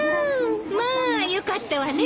まあよかったわね